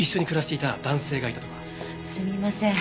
すみません。